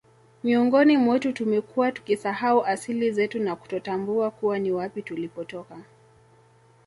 Miongoni mwetu tumekuwa tukisahau asili zetu na kutotambua kuwa ni wapi tulipotoka